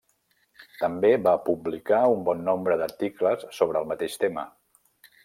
També va publicar un bon nombre d'articles sobre el mateix tema.